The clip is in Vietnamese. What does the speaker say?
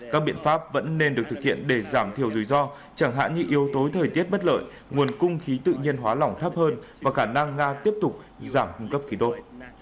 các biện pháp vẫn nên được thực hiện để giảm thiểu rủi ro chẳng hạn như yếu tố thời tiết bất lợi nguồn cung khí tự nhiên hóa lỏng thấp hơn và khả năng nga tiếp tục giảm cung cấp khí đốt